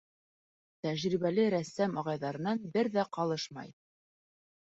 Тәжрибәле рәссам ағайҙарынан бер ҙә ҡалышмай.